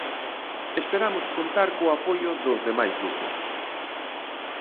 Esperamos contar co apoio dos demais grupos.